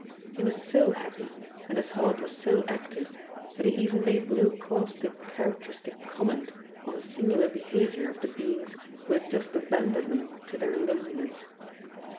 He was so happy, and his heart was so active, that he even made no caustic characteristic comment on the singular behaviour of the beings who had just abandoned them to their loneliness.